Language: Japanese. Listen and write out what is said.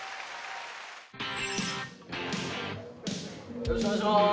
よろしくお願いします。